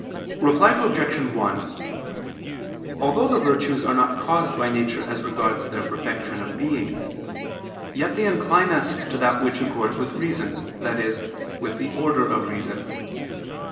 Reply Obj. 1: Although the virtues are not caused by nature as regards their perfection of being, yet they incline us to that which accords with reason, i.e. with the order of reason.